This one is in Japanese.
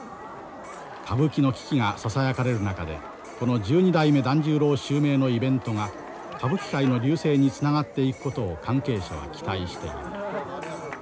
歌舞伎の危機がささやかれる中でこの十二代目團十郎襲名のイベントが歌舞伎界の隆盛につながっていくことを関係者は期待している。